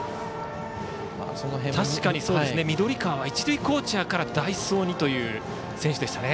確かに緑川は一塁コーチャーから代走にという選手でしたね。